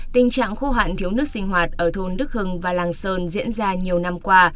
tình trạng khô hạn thiếu nước sinh hoạt ở thôn đức hưng và làng sơn diễn ra nhiều năm qua